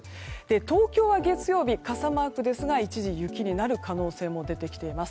東京は月曜日、傘マークですが一時、雪になる可能性も出てきています。